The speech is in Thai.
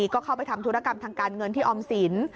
ก็เข้าไปทำธุรกรรมทางการเงินที่ออมสิน